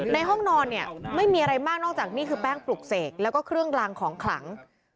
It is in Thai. ในห้องนอนเนี่ยไม่มีอะไรมากนอกจากนี่คือแป้งปลุกเสกแล้วก็เครื่องลางของขลัง